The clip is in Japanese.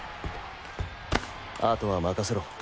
あとは任せろ。